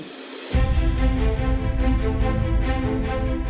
kepada polisi polisi itu sangat berat